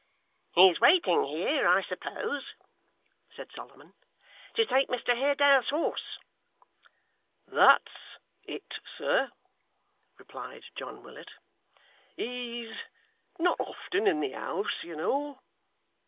'He's waiting here, I suppose,' said Solomon, 'to take Mr Haredale's horse.' 'That's it, sir,' replied John Willet. 'He's not often in the house, you know.